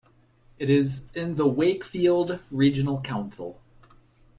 It is in the Wakefield Regional Council.